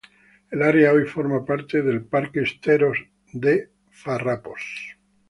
El área hoy forma parte del parque Esteros de Farrapos.